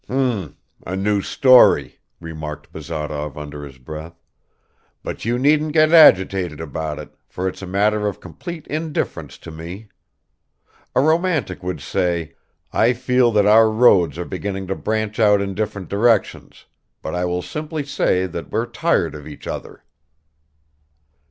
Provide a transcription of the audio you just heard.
"Hm! A new story," remarked Bazarov under his breath, "but you needn't get agitated about it, for it's a matter of complete indifference to me. A romantic would say: I feel that our roads are beginning to branch out in different directions, but I will simply say that we're tired of each other."